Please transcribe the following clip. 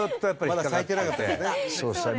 まだ咲いてなかった。